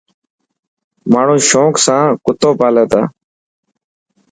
ماڻو شونق سان ڪتو پالي تا.